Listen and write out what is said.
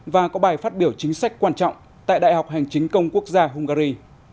và có bài phát biểu chính sách quan trọng tại đại học hành chính công quốc gia hungary